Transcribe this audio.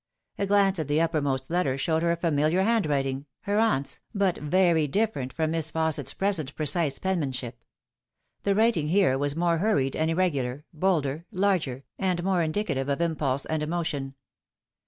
A glance at the uppermost letter showed her a familiar hand writing her aunt's, but very different from Miss Fausset's present precise penmanship. The writing here was more hurried and irregular, bolder, larger, and more indicative of impulse and emotion.